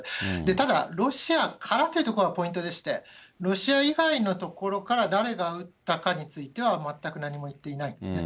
ただ、ロシアからというところがポイントでして、ロシア以外の所から誰が撃ったかについては、全く何も言っていないんですね。